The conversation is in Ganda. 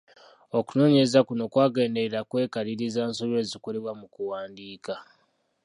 Okunoonyereza kuno kwagenderera kwekaliriza nsobi ezikolebwa mu kuwandiika.